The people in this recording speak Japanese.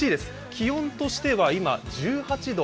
気温としては今１８度。